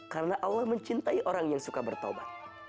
karena allah mencintai orang yang suka bertobat